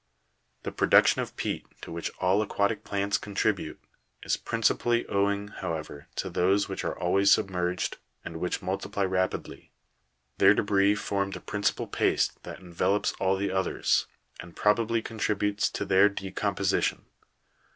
The production of peat, to which all aquatic plants contribute, is princi pally owing, however, to those which are always submerged, and which multiply rapidly; their debris form the principal paste that envelopes all the others, and probably contributes to their decomposition.